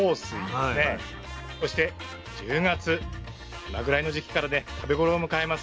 そして１０月今ぐらいの時期からね食べ頃を迎えます